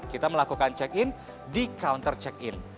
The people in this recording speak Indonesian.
kita melakukan check in di counter check in